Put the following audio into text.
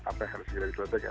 apa yang harus kita diselesaikan